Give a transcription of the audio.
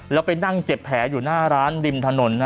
แล้วไปนั่งเจ็บแผลอยู่หน้าร้านริมถนน